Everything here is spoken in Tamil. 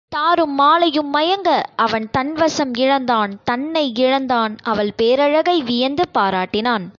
தாரும் மாலையும் மயங்க அவன் தன் வசம் இழந்தான் தன்னை இழந்தான் அவள் பேரழகை வியந்து பாராட்டினான்.